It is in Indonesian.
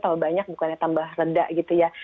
tahu banyak bukannya tambah reda gitu ya